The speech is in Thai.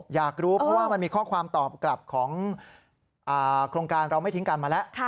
อยากรู้เพราะว่ามันมีข้อความตอบกลับของโครงการเราไม่ทิ้งกันมาแล้ว